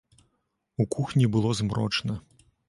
У кухні было змрочна.